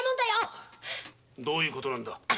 どういう事なんだ？